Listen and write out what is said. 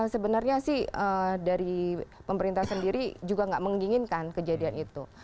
sebenarnya sih dari pemerintah sendiri juga nggak menginginkan kejadian itu